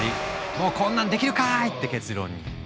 もうこんなんできるかい！って結論に。